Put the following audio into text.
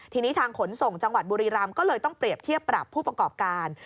ทีนี้ทางขนส่งจังหวัดบุรีรำก็เลยต้องเปรียบเทียบปรับผู้ประกอบการ